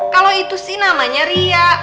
kalau itu sih namanya ria